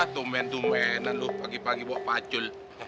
tumen tumenan lu pagi pagi bawa pacul